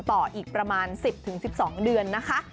ต่ออีกประมาณ๑๐๑๒เดือนนะคะ